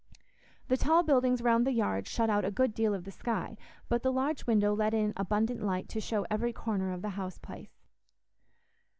The tall buildings round the yard shut out a good deal of the sky, but the large window let in abundant light to show every corner of the house place.